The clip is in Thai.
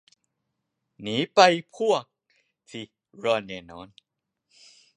หนีไปพวก สิ รอดแน่นอน